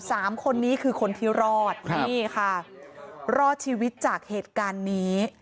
สามคนนี้คือคนที่รอดนี่ค่ะรอดชีวิตจากเหตุการณ์นี้